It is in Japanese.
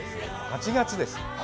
８月です